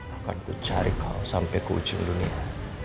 akan ku cari kau sampai ke ujung dunia